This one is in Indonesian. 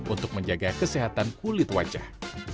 untuk menjaga kesehatan kulit wajah